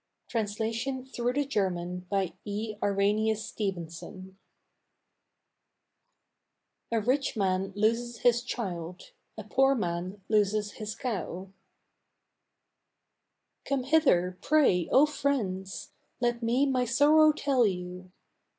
Translation through the German by E. Irenæus Stevenson. "A RICH MAN LOSES HIS CHILD, A POOR MAN LOSES HIS COW" Come hither, pray, O friends! Let me my sorrow tell you.